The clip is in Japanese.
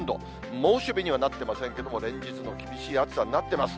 猛暑日にはなってませんけれども、連日の厳しい暑さになってます。